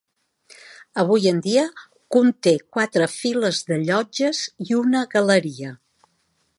Avui en dia conté quatre files de llotges i una galeria.